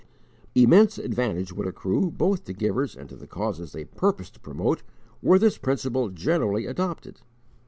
Immense advantage would accrue, both to givers and to the causes they purpose to promote, were this principle generally adopted!